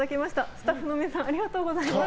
スタッフの皆さんありがとうございます。